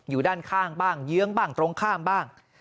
อยู่ด้านข้างบ้างเยื้องบ้างตรงข้ามบ้าง